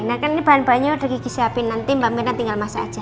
nah kan ini bahan bahannya udah gigi siapin nanti mbak mina tinggal masak aja